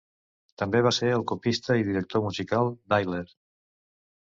També va ser el copista i director musical d'Ayler.